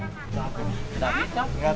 tidak bisa tidak bisa